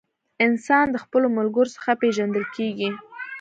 انسان د خپلو ملګرو څخه پیژندل کیږي.